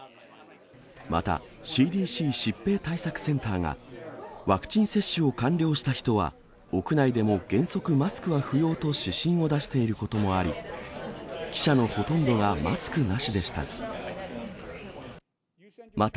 また、ＣＤＣ・疾病対策センターが、ワクチン接種を完了した人は、屋内でも原則、マスクは不要と指針を出していることもあり、記者のほとんどがマスクなしでした。